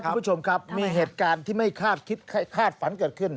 ทำไมครับมีเหตุการณ์ที่ไม่คาดฝันเกิดขึ้น